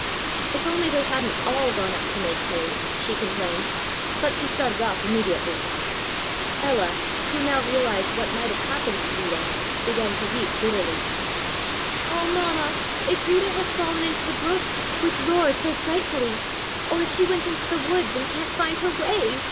"If only they hadn't all gone up to make hay," she complained, but she started off immediately. Ella, who now realized what might have happened to Rita, began to weep bitterly. "Oh, Mamma, if Rita has fallen into the brook, which roars so frightfully, or if she went into the woods and can't find her way!"